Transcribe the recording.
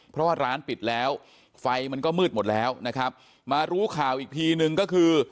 เพราะว่าร้านปิดแล้วไฟมันก็มืดหมดแล้วนะครับมารู้ข่าวอีกทีนึงก็คือ